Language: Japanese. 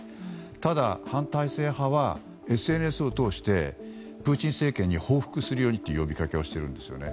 ただ、反体制派はＳＮＳを通してプーチン政権に報復するようにと呼びかけているんです。